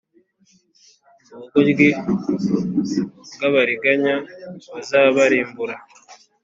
ubugoryi bw’abariganya buzabarimbura